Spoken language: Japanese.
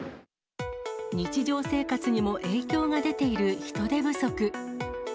日常生活にも影響が出ている人手不足。